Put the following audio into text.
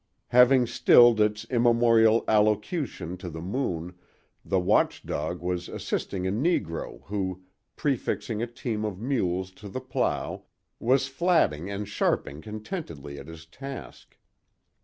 Having stilled its immemorial allocution to the moon, the watch dog was assisting a negro who, prefixing a team of mules to the plow, was flatting and sharping contentedly at his task.